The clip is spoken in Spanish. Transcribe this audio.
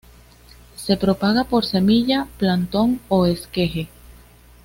Se propaga por semilla, plantón o esqueje.